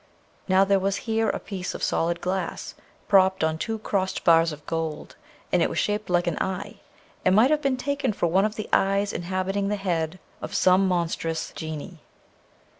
Now, there was here a piece of solid glass, propped on two crossed bars of gold, and it was shaped like an eye, and might have been taken for one of the eyes inhabiting the head of some monstrous Genie.